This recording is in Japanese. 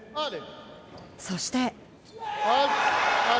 そして。